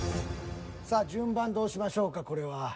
さあ順番どうしましょうかこれは。